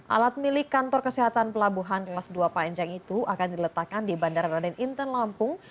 alat milik kantor kesehatan pelabuhan kelas dua panjang itu akan diletakkan di bandara raden inten lampung